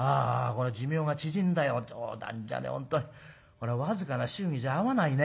これ僅かな祝儀じゃ合わないね。